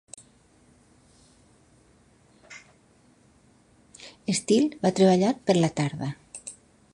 Steele va treballar per la tarda.